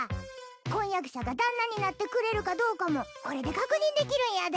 婚約者が旦那になってくれるかどうかもこれで確認できるんやで。